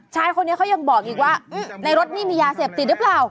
ชายคนนี้เขายังบอกอีกว่าในรถนี่มียาเสพติดหรือเปล่า